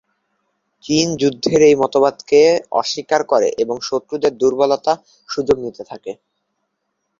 চিন যুদ্ধের এই মতবাদকে অস্বীকার করে এবং শত্রুর দুর্বলতার সুযোগ নিতে থাকে।